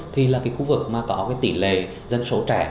thì là cái khu vực mà có cái tỷ lệ dân số trẻ